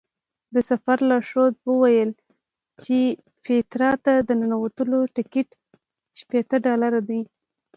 د سفر لارښود وویل چې پیترا ته د ننوتلو ټکټ شپېته ډالره دی.